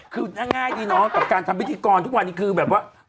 คือง่ายดีเนาะกับการทำพิธีกรทุกวันนี้คือแบบว่า